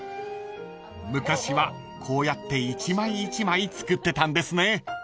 ［昔はこうやって１枚１枚作ってたんですね］